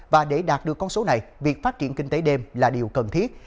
và để đạt được con số này việc phát triển kinh tế đêm là điều cần thiết